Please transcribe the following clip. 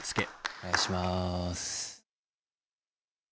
お願いします。